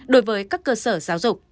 đối với các cơ sở giáo dục